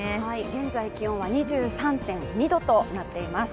現在、気温は２３．２度となっています。